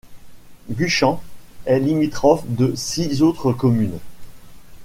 Guchen est limitrophe de six autres communes.